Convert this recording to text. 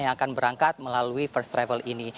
yang akan berangkat melalui first travel ini